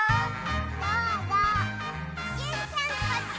どうぞジュンちゃんこっち！